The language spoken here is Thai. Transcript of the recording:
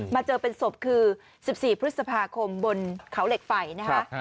มาเจอเป็นศพคือ๑๔พฤษภาคมบนเขาเหล็กไฟนะคะ